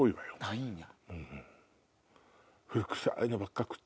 ないんや。